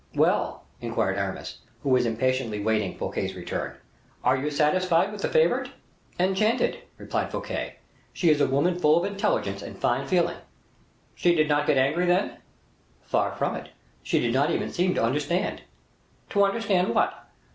"Well!" inquired Aramis, who was impatiently waiting Fouquet's return, "are you satisfied with the favorite?" "Enchanted," replied Fouquet; "she is a woman full of intelligence and fine feeling." "She did not get angry, then?" "Far from that she did not even seem to understand." "To understand what?"